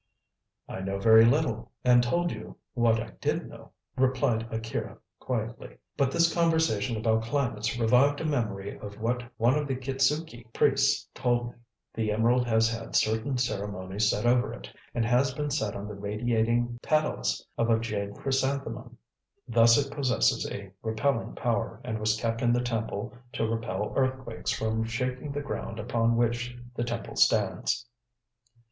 "I know very little, and told you what I did know," replied Akira quietly; "but this conversation about climates revived a memory of what one of the Kitzuki priests told me. The emerald has had certain ceremonies said over it, and has been set on the radiating petals of a jade chrysanthemum. Thus it possesses a repelling power, and was kept in the temple to repel earthquakes from shaking the ground upon which the temple stands."